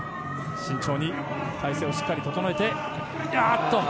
慎重に体勢をしっかり整えてあっと